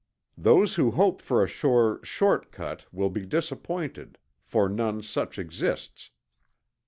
Those who hope for a sure "short cut" will be disappointed, for none such exists.